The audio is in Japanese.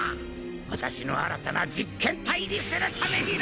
私の新たな実験体にするためにな！